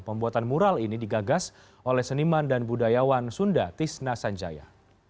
pembuatan mural ini digagas oleh seniman dan budayawan sunda tisna sanjaya